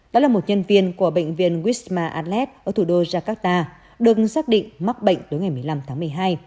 đó là một nhân viên của bệnh viên wisma atlas ở thủ đô jakarta được xác định mắc bệnh tới ngày một mươi năm tháng một mươi hai